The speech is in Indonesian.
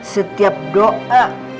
setiap doa yang kita panjatkan ke allah